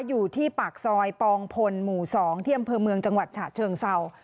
อยู่ที่ปากซอยปองพลหมู่๒ที่อำเภอเมืองจังหวัดฉะเชิงเศร้า